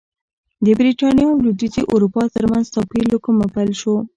د برېټانیا او لوېدیځې اروپا ترمنځ توپیر له کومه پیل شو